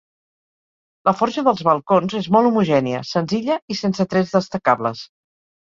La forja dels balcons és molt homogènia, senzilla i sense trets destacables.